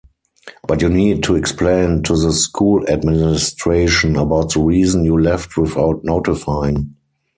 But you need to explain to the school administration about the reason you left without notifying.